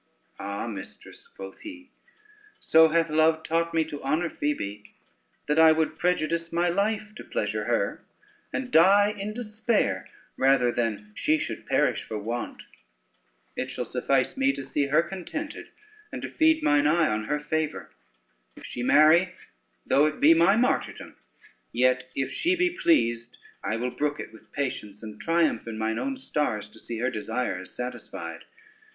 "Ah, mistress," quoth he, "so hath love taught me to honor Phoebe, that I would prejudice my life to pleasure her, and die in despair rather than she should perish for want. It shall suffice me to see her contented, and to feed mine eye on her favor. If she marry, though it be my martyrdom, yet if she be pleased I will brook it with patience, and triumph in mine own stars to see her desires satisfied.